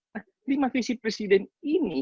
nah lima visi presiden ini